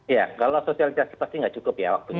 iya kalau sosialisasi pasti gak cukup ya waktunya